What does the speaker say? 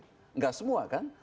tidak semua kan